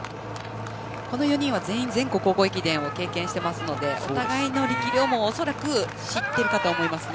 この４人は全員全国高校駅伝を経験していますのでお互いの力量も恐らく知っているとは思いますので。